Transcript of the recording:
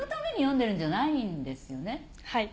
はい。